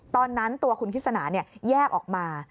ตอนนั้นตัวคุณคิดสนาแยกออกมา